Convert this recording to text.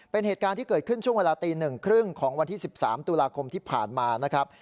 เป็นเหตุการณ์ที่เกิดขึ้นช่วงเวลาตี๑๓๐ของวันที่๑๓ตุลาคมที่ผ่านมานะครับ